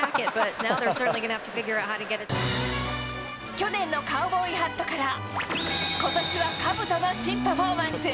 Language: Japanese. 去年のカウボーイハットから、ことしはかぶとの新パフォーマンス。